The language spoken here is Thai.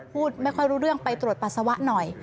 พูดไม่ค่อยรู้เรื่องไปตรวจปัสสาวะหน่อย